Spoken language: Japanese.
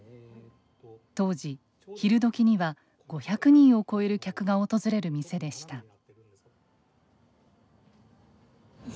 当時、昼どきには５００人を超える客が訪れる店でした。